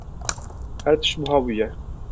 Her tişt buha bûye.